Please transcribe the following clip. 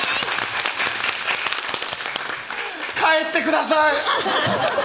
帰ってください！